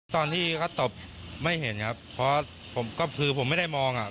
ตอนที่เขาตบไม่เห็นครับเพราะผมก็คือผมไม่ได้มองอ่ะ